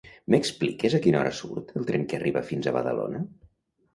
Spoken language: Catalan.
M'expliques a quina hora surt el tren que arriba fins a Badalona?